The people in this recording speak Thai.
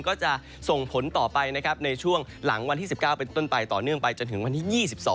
ก็จะส่งผลต่อไปนะครับในช่วงหลังวันที่๑๙เป็นต้นไปต่อเนื่องไปจนถึงวันที่๒๒